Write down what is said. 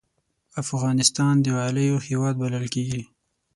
افغانستان د غالیو هېواد بلل کېږي.